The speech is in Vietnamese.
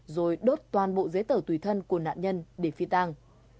rồi đốt toàn bộ giấy tờ tùy thân của nạn nhân để phi tàng